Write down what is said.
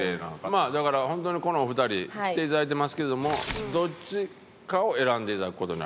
まあだから本当にこのお二人来ていただいてますけれどもどっちかを選んでいただく事に。